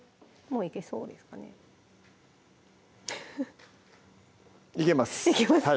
もういけそうですかねいけます！